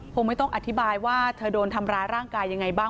คงไม่ต้องอธิบายว่าเธอโดนทำร้ายร่างกายยังไงบ้าง